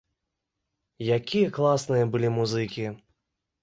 Якія класныя былі музыкі!